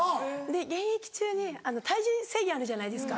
現役中に体重制限あるじゃないですか。